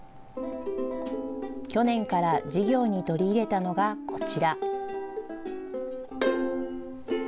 去年から授業に取り入れたのがこちら。